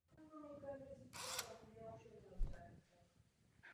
Poté se stal ředitelem zahraniční zpravodajské služby.